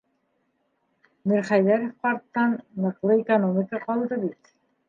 Мирхәйҙәров ҡарттан ныҡлы экономика ҡалды бит.